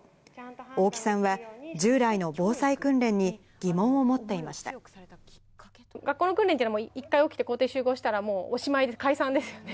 大木さんは、従来の防災訓練に疑学校の訓練というのは、一回起きて校庭集合したら、もうおしまい、解散ですよね。